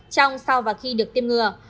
trong sau và khi được tiêm ngừa